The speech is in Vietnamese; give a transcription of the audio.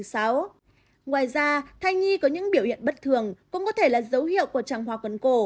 ngoài ra thai nhi có những biểu hiện bất thường cũng có thể là dấu hiệu của tràng hoa cuốn cổ